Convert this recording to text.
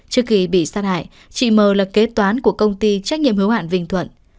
trước khi bị sát hại chị mờ là kế toán của công ty trách nhiệm hữu hạn vinh thuận